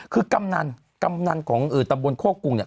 คือกำนันกำนันของตำบลโคกรุงเนี่ย